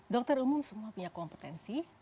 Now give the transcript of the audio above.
dokter umum semua punya kompetensi